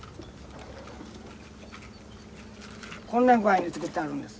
こんな具合に作ってあるんです。